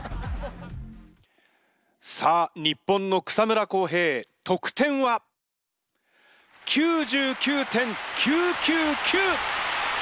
さあ日本の草村航平得点は？９９．９９９！